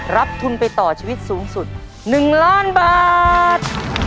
รับทุนไปต่อชีวิตสูงสุด๑ล้านบาท